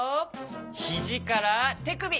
ひじからてくび！